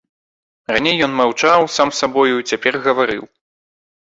Раней ён маўчаў сам з сабою, цяпер гаварыў.